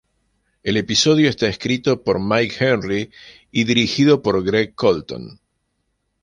El episodio está escrito por Mike Henry y dirigido por Greg Colton.